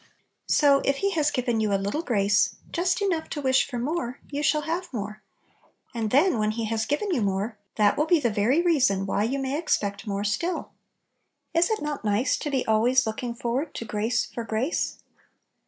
So, if He has given you a little grace, just enough to wish for more, you shall have more; and then when He has given you more, that will be the very reason why you may expect more stilL Is it not nice to be always looking forward to "grace for grace"?